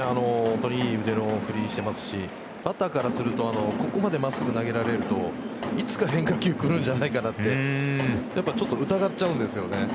本当にいい腕の振りしてますしバッターからするとここまで真っすぐ投げられるといつか変化球がくるんじゃないかなってちょっと疑っちゃうんですよね。